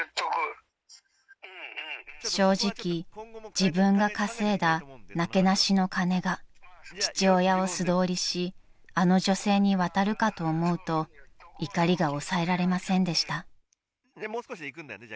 ［正直自分が稼いだなけなしの金が父親を素通りしあの女性に渡るかと思うと怒りが抑えられませんでした］